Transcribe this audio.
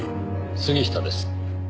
杉下です。